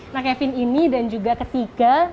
nah kevin ini dan juga ketiga